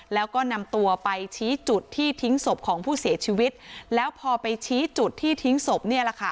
แล้วก็นำตัวไปชี้จุดที่ทิ้งศพของผู้เสียชีวิตแล้วพอไปชี้จุดที่ทิ้งศพเนี่ยแหละค่ะ